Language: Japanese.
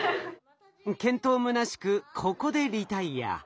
健闘むなしくここでリタイア。